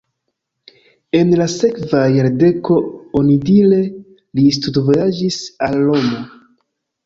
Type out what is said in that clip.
En la sekva jardeko onidire li studvojaĝis al Romo.